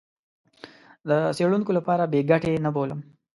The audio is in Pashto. د څېړونکو لپاره بې ګټې نه بولم.